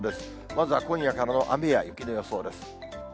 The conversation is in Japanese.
まずは今夜からの雨や雪の予想です。